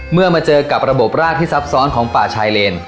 มาเจอกับระบบรากที่ซับซ้อนของป่าชายเลน